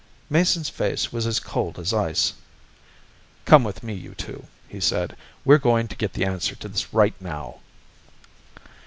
Mason's face was cold as ice. "Come with me, you two," he said. "We're going to get the answer to this right now."